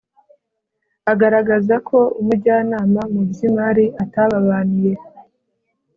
agaragazako umujyanama mu by imari atababaniye